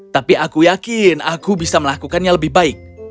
tapi aku yakin aku bisa melakukannya lebih baik